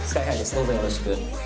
どうぞよろしく。